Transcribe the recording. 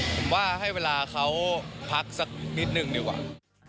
ผมว่าให้เวลาเขาพักสักนิดหนึ่งดีกว่า